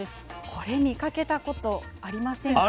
これ見かけたことありませんか？